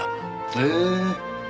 へえ。